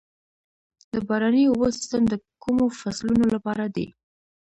د باراني اوبو سیستم د کومو فصلونو لپاره دی؟